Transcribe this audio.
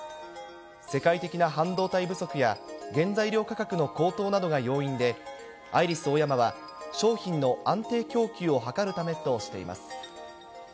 世界的な半導体不足や、原材料価格の高騰などが要因で、アイリスオーヤマは、商品の安定供給を図るためとしています。